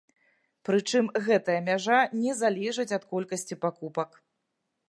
Прычым гэтая мяжа не залежыць ад колькасці пакупак.